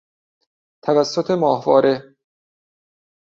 توسط ماهواره